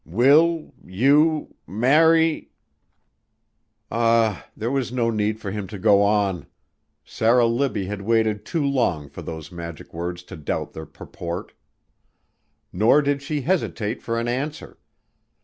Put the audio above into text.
Will You Marry Ah, there was no need for him to go on! Sarah Libbie had waited too long for those magic words to doubt their purport. Nor did she hesitate for an answer.